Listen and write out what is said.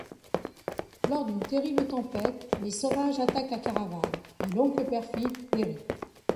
Lors d'une terrible tempête, les sauvages attaquent la caravane, et l'oncle perfide périt.